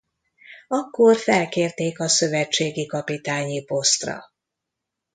Akkor felkérték a szövetségi kapitányi posztra.